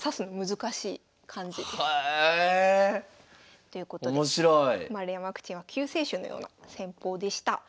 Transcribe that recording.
面白い！ということで丸山ワクチンは救世主のような戦法でした。